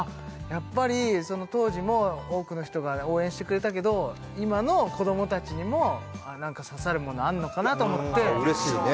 やっぱりその当時も多くの人が応援してくれたけど今の子どもたちにも何か刺さるものあるのかなと思って嬉しいね